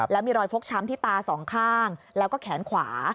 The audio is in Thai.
แล้วมีรอยฟกช้ำที่ตาสองข้างแล้วก็แขนขวา